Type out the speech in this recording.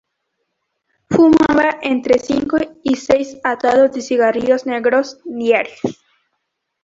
Fumaba entre cinco y seis atados de cigarrillos negros diarios.